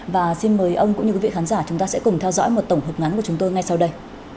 và xin mời ông cũng như quý vị khán giả chúng ta sẽ cùng theo dõi một tổng hợp ngắn của chúng tôi ngay sau đây